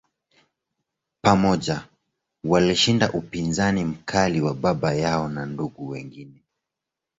Pamoja, walishinda upinzani mkali wa baba yao na ndugu wengine.